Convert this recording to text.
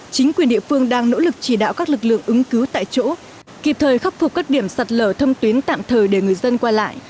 chính quyền địa phương đang nỗ lực chỉ đạo các lực lượng ứng cứu tại chỗ kịp thời khắc phục các điểm sạt lở thông tuyến tạm thời để người dân qua lại